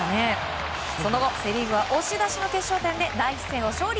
その後、セ・リーグは押し出しの決勝点で第１戦を勝利。